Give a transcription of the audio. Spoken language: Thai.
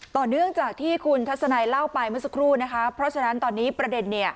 ต่อเนื่องจากที่คุณทัศนัยเล่าไปเมื่อสักครู่นะคะเพราะฉะนั้นตอนนี้ประเด็น